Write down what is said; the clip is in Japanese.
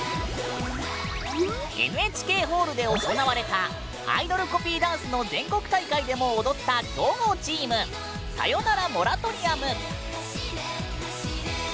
ＮＨＫホールで行われたアイドルコピーダンスの全国大会でも踊った強豪チームさよならモラトリアム。